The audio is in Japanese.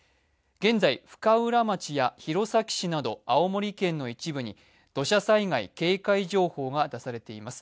現在、深浦町や弘前市など、青森県の一部に土砂災害警戒情報が出されています。